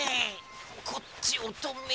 こっちをとめて。